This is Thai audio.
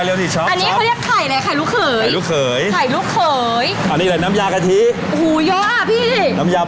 โอ้โฮแล้วเอาอยู่ร้าจากไหน